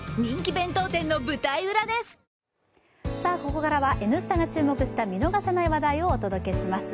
ここからは「Ｎスタ」が注目した見逃せない話題をお届けします。